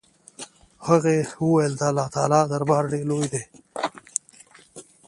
هغه وويل د الله تعالى دربار ډېر لوى دې.